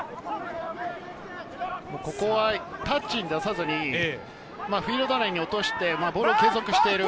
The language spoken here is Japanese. ここはタッチに出さずに、フィールド内に落としてボールを継続している。